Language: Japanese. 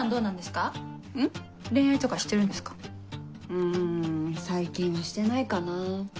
うん最近はしてないかなぁ。